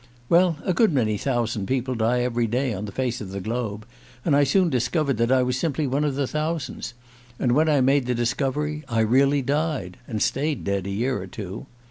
Well, a good many thousand people die every day on the face of the globe; and I soon discovered that I was simply one of the thousands; and when I made that discovery I really died and stayed dead a year or two.